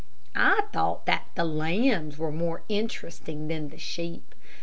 I thought that the lambs were more interesting than the sheep.